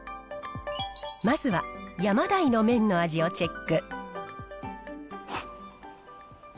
まずはヤマダイの麺の味をチェック。